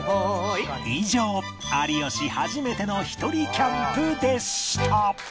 以上有吉初めてのひとりキャンプでした